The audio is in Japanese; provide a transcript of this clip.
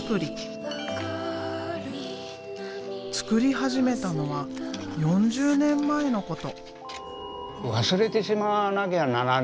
作り始めたのは４０年前のこと。